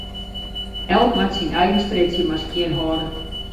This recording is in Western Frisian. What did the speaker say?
Elk moat syn eigen strjitsje mar skjinhâlde.